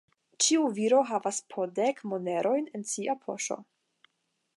Ĉiu viro havas po dek monerojn en sia poŝo.